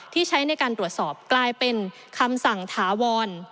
ที่ใช้ในการตรวจสอบกลายเป็นคำสั่งถาวร